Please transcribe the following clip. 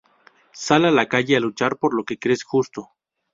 sal a la calle a luchar por lo que crees justo